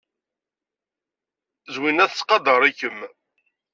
Zwina tettqadar-ikem.